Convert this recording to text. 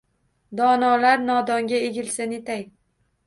Donolar nodonga egilsa, netay?